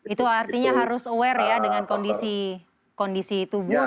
itu artinya harus aware ya dengan kondisi tubuh